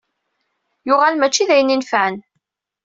Yuɣal mačči d ayen inefɛen.